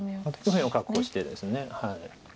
右辺を確保してです。